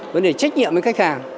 vấn đề trách nhiệm với khách hàng